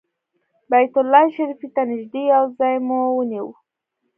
بیت الله شریفې ته نږدې یو ځای مو ونیو.